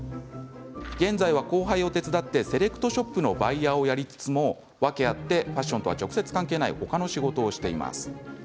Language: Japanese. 現在は後輩を手伝ってセレクトショップのバイヤーをやりつつも訳あってファッションとは直接関係ないほかの仕事をしています。